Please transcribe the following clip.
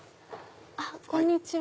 こんにちは。